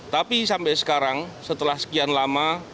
tapi sampai sekarang setelah sekian lama